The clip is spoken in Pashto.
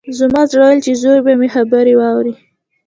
زما زړه ویل چې زوی به مې خبرې واوري